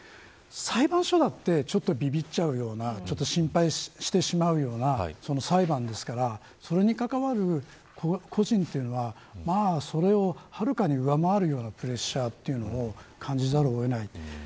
裁判所だってちょっとびびっちゃうような心配してしまうような裁判ですからそれに関わる個人というのはそれをはるかに上回るようなプレッシャーというのを感じざるを得ない。